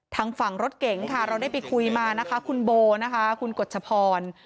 ทางฝั่งรถเก๋งค่ะเราได้ไปคุยมานะคะคุณโบนะคะคุณกฎชพร